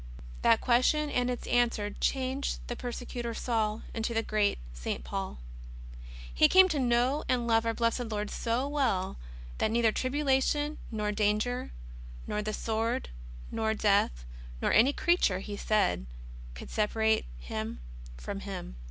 "* That question and its answer changed the persecu tor Saul into the great St. Paul. He came to know and love our Blessed Lord so well, that neither tribula tion, nor danger, nor the sword, nor death, nor any creature, he said, could separate him from Him.